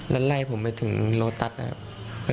แล้วไล่ผมไปถึงโลตัสนะครับ